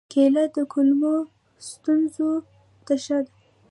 کېله د کولمو ستونزو ته ښه ده.